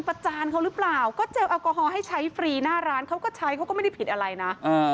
ก็เจลแอลกอฮอล์ให้ใช้ฟรีหน้าร้านเขาก็ใช้เขาก็ไม่ได้ผิดอะไรนะ